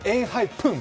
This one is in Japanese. プン！